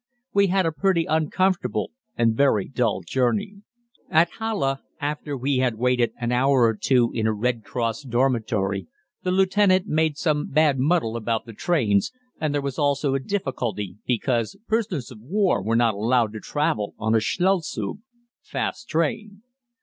We had a pretty uncomfortable and very dull journey. At Halle, after we had waited an hour or two in a Red Cross dormitory, the lieutenant made some bad muddle about the trains, and there was also a difficulty because prisoners of war were not allowed to travel on a "Schnellzug" (fast train).